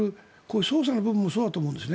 捜査の部分もそうだと思うんですね。